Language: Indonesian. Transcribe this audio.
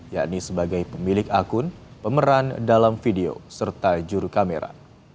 yakni sebagai pemilik akun pemeran dalam video serta juru kamera